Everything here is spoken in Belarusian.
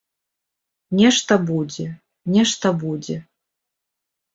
Нешта будзе, нешта будзе.